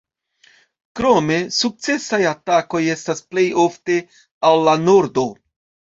Krome, sukcesaj atakoj estas plej ofte al la nordo.